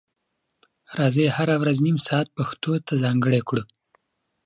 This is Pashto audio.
راځئ هره ورځ نیم ساعت پښتو ته ځانګړی کړو.